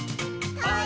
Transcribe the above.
はい。